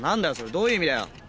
どういう意味だよ？